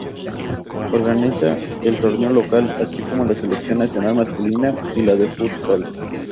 Organiza el torneo local, así como la selección nacional masculina y la de futsal.